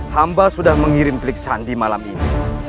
hamba sudah mengirim tlik sandi malam ini